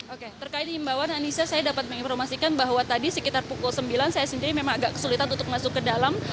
oke terkait himbawan anissa saya dapat menginformasikan bahwa tadi sekitar pukul sembilan saya sendiri memang agak kesulitan untuk masuk ke dalam